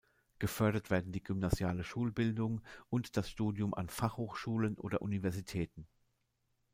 Gefördert werden die gymnasiale Schulbildung und das Studium an Fachhochschulen oder Universitäten.